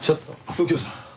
右京さん。